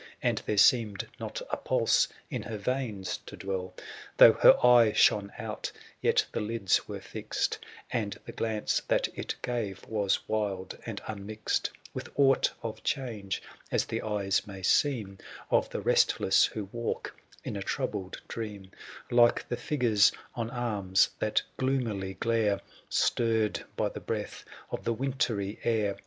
And there seemed not a pulse in her veins to dwell. Though her eye shone out, yet the lids were fixed, 571 And the glance that it gave was wuld and unmixed With aught of change, as the eyes may seem Of the restless who walk in a troubled dream ; Like the figures on arras, that gloomily glare 575 Stirred by the breath of the wintry air.